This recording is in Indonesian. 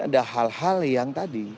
ada hal hal yang tadi